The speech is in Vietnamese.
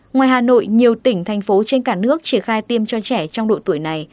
ngoài hà nội nhiều tỉnh thành phố trên cả nước triển khai tiêm cho trẻ trong độ tuổi này